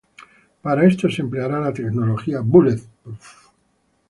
Para esto, se empleará la tecnología Bullet Proof.